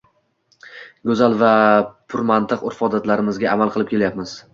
Goʻzal va purmantiq urf-odatlarimizga amal qilib kelayapmiz.